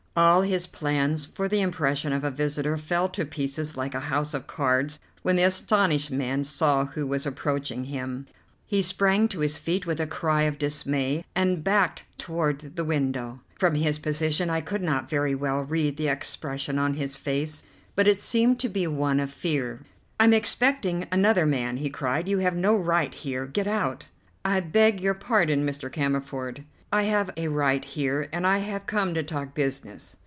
All his plans for the impression of a visitor fell to pieces like a house of cards when the astonished man saw who was approaching him. He sprang to his feet with a cry of dismay and backed toward the window. From his position I could not very well read the expression on his face, but it seemed to be one of fear. "I'm expecting another man," he cried, "you have no right here. Get out." "I beg your pardon, Mr. Cammerford, I have a right here, and I have come to talk business."